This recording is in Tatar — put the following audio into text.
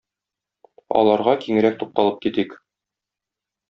Аларга киңрәк тукталып китик.